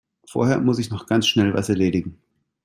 Vorher muss ich noch ganz schnell was erledigen.